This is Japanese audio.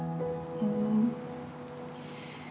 うん。